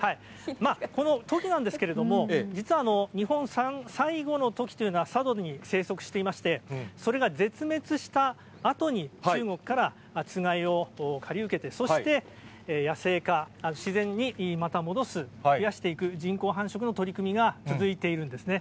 このトキなんですけれども、実は日本産最後のトキというのは佐渡に生息していまして、それが絶滅したあとに中国からつがいを借り受けて、そして野生化、自然にまた戻す、増やしていく人工繁殖の取り組みが続いているんですね。